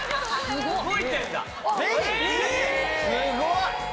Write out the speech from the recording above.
すごい！